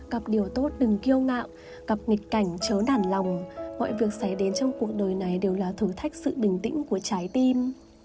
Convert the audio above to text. gặp điều tốt đừng kêu ngạo gặp nghịch cảnh chớ đản lòng mọi việc xảy đến trong cuộc đời này đều là thử thách sự bình tĩnh của trái tim